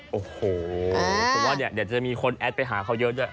โอ้โหผมว่าเดี๋ยวจะมีคนแอดไปหาเขาเยอะด้วย